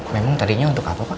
memang tadinya untuk apa pak